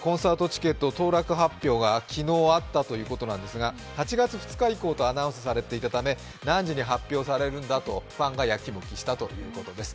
チケット当落発表が昨日あったということなんですが８月２日以降とアナウンスされていたため何時に発表されるんだとファンがやきもきしたということです。